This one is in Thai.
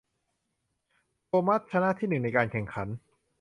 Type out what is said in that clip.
โทมัสชนะที่หนึ่งในการแข่งขัน